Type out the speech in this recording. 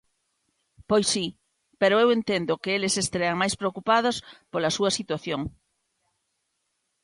Pois si, pero eu entendo que eles estean máis preocupados pola súa situación.